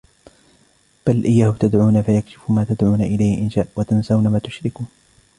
بَلْ إِيَّاهُ تَدْعُونَ فَيَكْشِفُ مَا تَدْعُونَ إِلَيْهِ إِنْ شَاءَ وَتَنْسَوْنَ مَا تُشْرِكُونَ